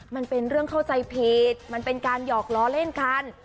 มันเป็นเรื่องเข้าใจผิดมันเป็นการหยอกล้อเล่นกัน